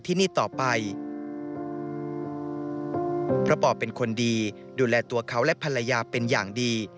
เพราะพ่อเป็นคนดีดูแลตัวเขาและภรรยาเป็นอย่างดี